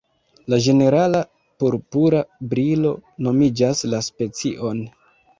La ĝenerala purpura brilo nomigas la specion.